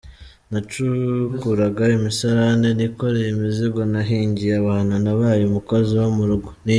Nacukuraga imisarane, nikoreye imizigo, nahingiye abantu, nabaye umukozi wo mu rugo….